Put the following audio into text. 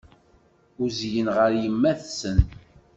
Uzzlen ɣer yemma-tsen.